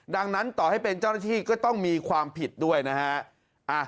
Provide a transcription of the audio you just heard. ดังนั้นต่อให้เป็นเจ้าหน้าที่ก็ต้องมีความผิดด้วยนะฮะ